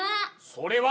それは。